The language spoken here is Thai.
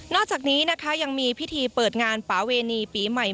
จากนี้นะคะยังมีพิธีเปิดงานปาเวณีปีใหม่